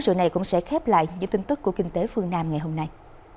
sự này cũng sẽ khép lại những tin tức của kinh tế phương nam ngày hôm nay